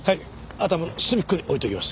頭の隅っこに置いておきます。